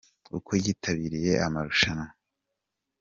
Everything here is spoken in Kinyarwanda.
Uko yitabiriye amarushanwa .